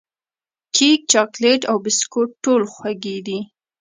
کیک، چاکلېټ او بسکوټ ټول خوږې دي.